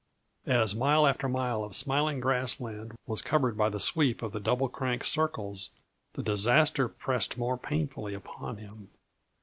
As mile after mile of smiling grass land was covered by the sweep of the Double Crank circles, the disaster pressed more painfully upon him.